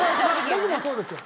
僕もそうですよ。